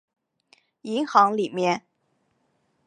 银行里面